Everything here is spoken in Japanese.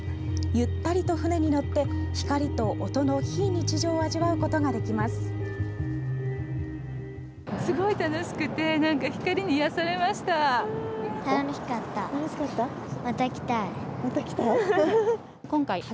ゆったりと船に乗って、光と音の非日常を味わうことができます。